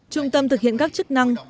trung tâm thực hiện các chức năng